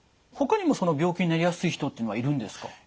他にもその病気になりやすい人っていうのはいるんですか？